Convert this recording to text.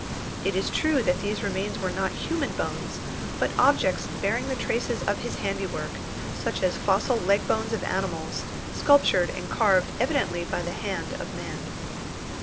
It is true that these remains were not human bones, but objects bearing the traces of his handiwork, such as fossil leg bones of animals, sculptured and carved evidently by the hand of man.